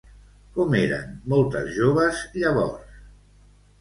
Com eren moltes joves llavors?